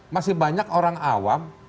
masih banyak orang awam